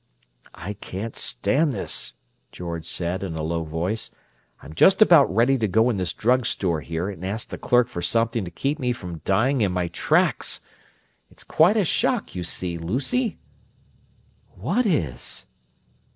"I can't stand this," George said, in a low voice. "I'm just about ready to go in this drug store here, and ask the clerk for something to keep me from dying in my tracks! It's quite a shock, you see, Lucy!" "What is?"